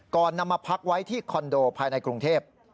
นำมาพักไว้ที่คอนโดภายในกรุงเทพ